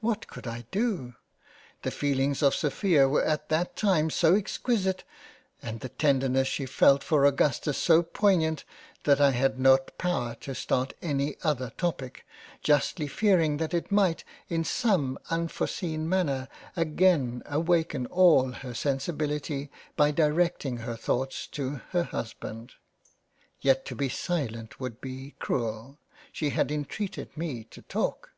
What could I do ? The feelings of Sophia were at that time so exquisite, and the tenderness she felt for Augustus so poignant that I had not power to start any other topic, justly fearing that it might in some unforseen manner again awaken all her sensibility by directing her thoughts to her Husband. Yet to be silent would be cruel ; she had intreated me to talk.